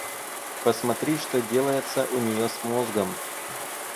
— Посмотри, что делается у нее с мозгом.